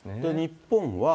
日本は。